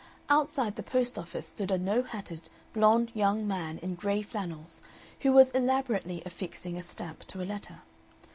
Outside the post office stood a no hatted, blond young man in gray flannels, who was elaborately affixing a stamp to a letter.